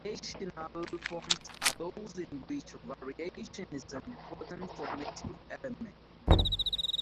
Variational forms are those in which variation is an important formative element.